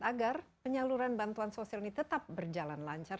agar penyaluran bantuan sosial ini tetap berjalan lancar